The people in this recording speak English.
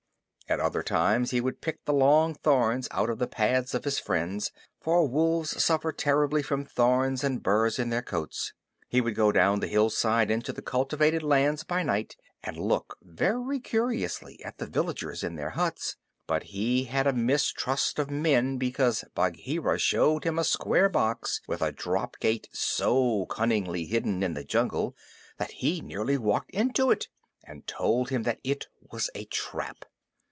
At other times he would pick the long thorns out of the pads of his friends, for wolves suffer terribly from thorns and burs in their coats. He would go down the hillside into the cultivated lands by night, and look very curiously at the villagers in their huts, but he had a mistrust of men because Bagheera showed him a square box with a drop gate so cunningly hidden in the jungle that he nearly walked into it, and told him that it was a trap.